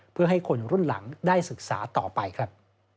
เพื่อให้คนรุ่นหลังได้ศึกษาต่อไปครับ